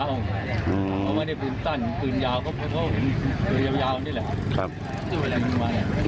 เขาไม่ได้ปืนสั้นปืนยาวเขาเป็นปืนยาวนี่แหละ